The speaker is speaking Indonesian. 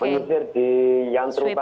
mengisir di yang terutama